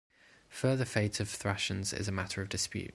Further fate of Thracians is a matter of dispute.